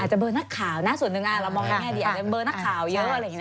อาจจะเบอร์นักข่าวนะส่วนหนึ่งเรามองแม่ดีอาจจะเบอร์นักข่าวเยอะ